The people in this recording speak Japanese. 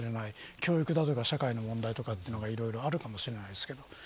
教育や社会の問題とかいろいろあるかもしれないですけど。